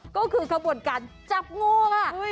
ก็คือขบวนการจับงูค่ะ